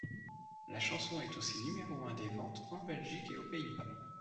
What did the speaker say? La chanson est aussi numéro un des ventes en Belgique et aux Pays-Bas.